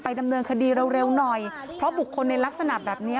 ดำเนินคดีเร็วเร็วหน่อยเพราะบุคคลในลักษณะแบบนี้